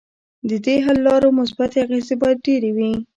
ددې حل لارو مثبتې اغیزې باید ډیرې وي.